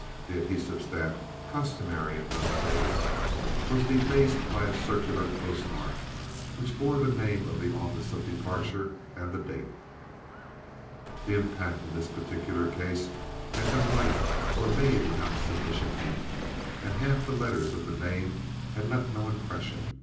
The adhesive stamp customary in those days was defaced by a circular postmark, which bore the name of the office of departure and the date. The impact in this particular case had been light or made without sufficient ink, and half the letters of the name had left no impression.